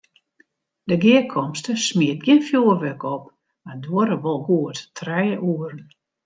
De gearkomste smiet gjin fjoerwurk op, mar duorre wol goed trije oeren.